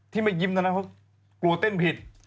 ที่ไม่ยิ้มแล้วนะเพราะกลัวเต้นผิด